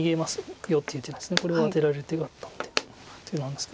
これはアテられる手があったんで。